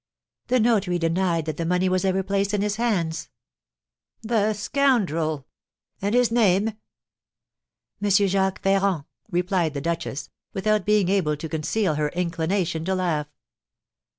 The notary denied that the money was ever placed in his hands." "The scoundrel! And his name?" "M. Jacques Ferrand," replied the duchess, without being able to conceal her inclination to laugh.